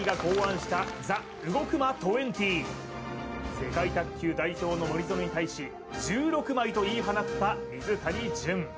世界卓球代表の森薗に対し１６枚と言い放った水谷隼